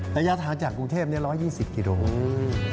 ระยะทางจากกรุงเทพ๑๒๐กิโลเมตร